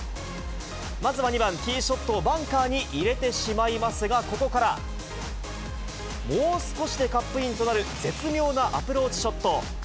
まずは２番、ティーショットをバンカーに入れてしまいますが、ここから、もう少しでカップインとなる絶妙なアプローチショット。